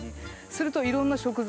するといろんな食材